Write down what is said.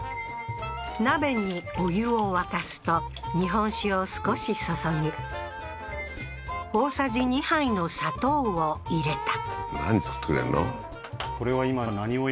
鍋にお湯を沸かすと日本酒を少し注ぎ大さじ２杯の砂糖を入れた何作ってくれんの？